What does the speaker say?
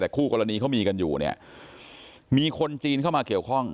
แต่คู่กรณีเขามีกันอยู่เนี่ยมีคนจีนเข้ามาเกี่ยวข้อง